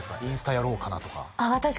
インスタやろうかなとか私